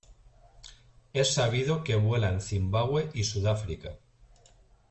Es sabido que vuela en Zimbabue y Sudáfrica.